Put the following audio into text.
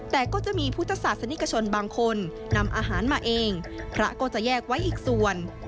แต่ก็จะมีพุทธศาสนิกชนบางคนนำอาหารมาเองพระก็จะแยกไว้อีกส่วน